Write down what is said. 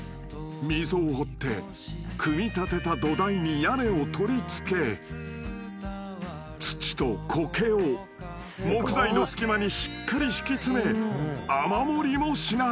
［溝を掘って組み立てた土台に屋根を取り付け土とコケを木材の隙間にしっかり敷き詰め雨漏りもしない］